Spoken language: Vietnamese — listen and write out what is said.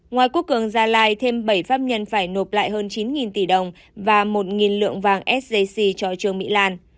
ngoài quốc cường gia lai thêm bảy pháp nhân phải nộp lại hơn chín tỷ đồng và một lượng vàng sjc cho trương mỹ lan